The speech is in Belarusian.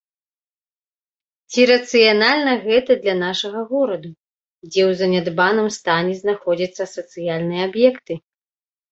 Ці рацыянальна гэта для нашага гораду, дзе ў занядбаным стане знаходзяцца сацыяльныя аб'екты.